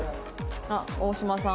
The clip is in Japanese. あっ大島さん。